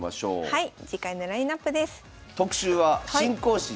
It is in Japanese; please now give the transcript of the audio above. はい。